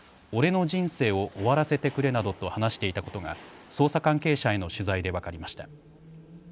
俺の人生を終わらせてくれなどと話していたことが捜査関係者への取材で分かりました。